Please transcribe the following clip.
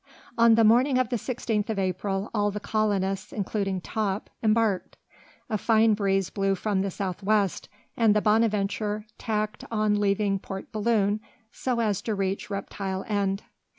On the morning of the 16th of April all the colonists, including Top, embarked. A fine breeze blew from the south west, and the Bonadventure tacked on leaving Port Balloon so as to reach Reptile End.